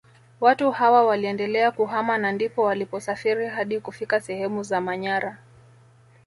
Watu hawa waliendelea kuhama na ndipo waliposafiri hadi kufika sehemu za Manyara